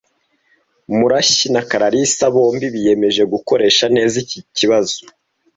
Murashyi na Kalarisa bombi biyemeje gukoresha neza iki kibazo.